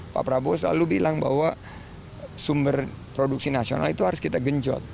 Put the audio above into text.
pak prabowo selalu bilang bahwa sumber produksi nasional itu harus kita genjot